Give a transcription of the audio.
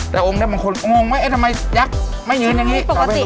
แต่องค์นี้บางคนงงว่าเอ๊ะทำไมยักษ์ไม่ยืนอย่างนี้